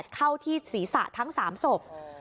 เข้าที่ศีรษะทั้ง๓ศพ